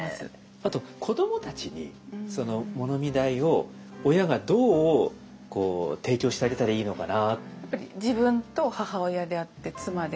あと子どもたちに物見台を親がどう提供してあげたらいいのかな。